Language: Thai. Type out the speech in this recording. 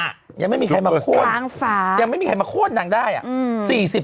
ถูกตรงฝากยังไม่มีใครข้วนยังไม่มีใครมาโคตรนางได้